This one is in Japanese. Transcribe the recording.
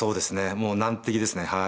もう難敵ですねはい。